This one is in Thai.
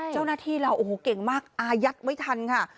เจ้าหน้าที่เราโอ้โหเก่งมากอายัดไว้ทันค่ะ